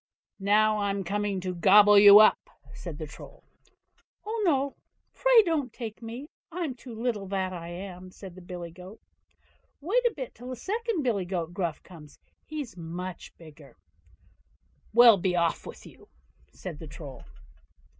"Now, I'm coming to gobble you up", said the Troll. "Oh, no! pray don't take me. I'm too little, that I am", said the billy goat; "wait a bit till the second billy goat Gruff comes, he's much bigger." "Well! be off with you", said the Troll.